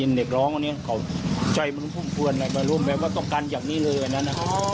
ตอนเด็กแนี่ยเขามีพฤติกรรมไม่ชอบเด็กหรือเปล่า